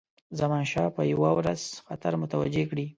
زمانشاه به یو ورځ خطر متوجه کړي.